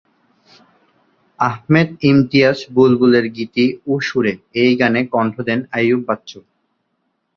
আহমেদ ইমতিয়াজ বুলবুলের গীতি ও সুরে এই গানে কন্ঠ দেন আইয়ুব বাচ্চু।